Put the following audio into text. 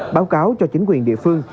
báo cáo cho chính quyền địa phương